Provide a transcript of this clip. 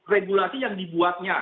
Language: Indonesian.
regulasi yang dibuatnya